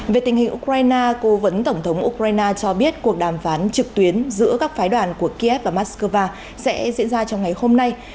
về tình hình ukraine cố vấn tổng thống ukraine cho biết cuộc đàm phán trực tuyến giữa các phái đoàn của kiev và moscow sẽ diễn ra trong ngày hôm nay